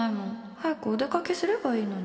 早くお出かけすればいいのに。